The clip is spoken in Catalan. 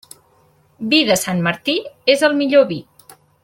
Vi de Sant Martí és el millor vi.